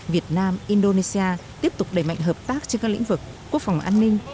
việt nam indonesia tiếp tục đẩy mạnh hợp tác trên các lĩnh vực quốc phòng an ninh